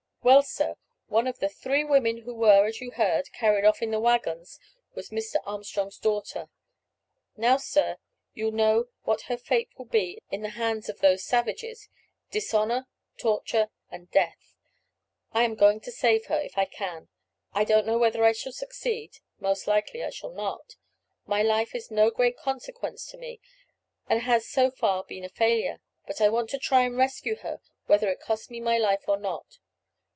Well, sir, one of the three women who were, as you heard, carried off in the waggons, was Mr. Armstrong's daughter. Now, sir, you know what her fate will be in the hands of those savages: dishonour, torture, and death. I am going to save her if I can. I don't know whether I shall succeed; most likely I shall not. My life is of no great consequence to me, and has so far been a failure; but I want to try and rescue her whether it costs me my life or not.